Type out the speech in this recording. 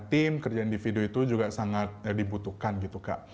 tim kerja individu itu juga sangat dibutuhkan gitu kak